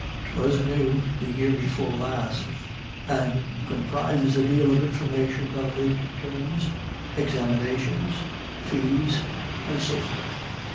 'Twas new the year before last, and comprises a dale of information relative to terms, examinations, fees, and so forth."